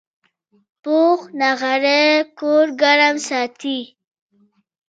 پوخ نغری کور ګرم ساتي